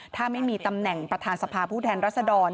ถ้าไม่มีตำแหน่งประธานสภาผู้แทนรัศดร